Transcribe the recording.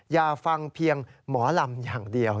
อย่าฟังเพียงหมอลำอย่างเดียว